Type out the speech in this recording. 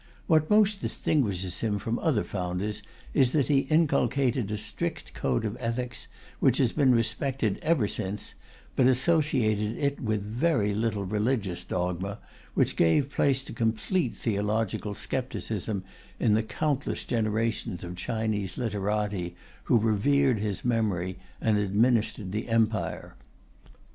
What most distinguishes him from other founders is that he inculcated a strict code of ethics, which has been respected ever since, but associated it with very little religious dogma, which gave place to complete theological scepticism in the countless generations of Chinese literati who revered his memory and administered the Empire.